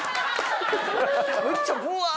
めっちゃブワー！